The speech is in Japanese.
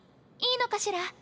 いいのかしら？